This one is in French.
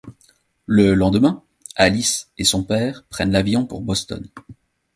Le lendemain, Alice et son père prennent l'avion pour Boston.